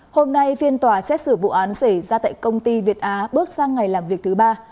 hôm nay phiên tòa xét xử vụ án xảy ra tại công ty việt á bước sang ngày làm việc thứ ba